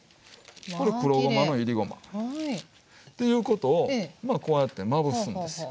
これ黒ごまの煎りごま。っていうことをこうやってまぶすんですよ。